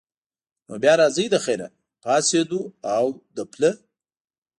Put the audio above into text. نو بیا راځئ له خیره، پاڅېدو او د پله.